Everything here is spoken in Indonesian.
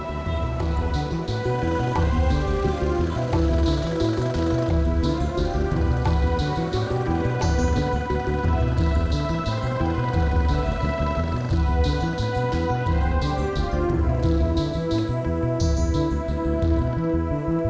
masukkan kembali ke tempat yang diperlukan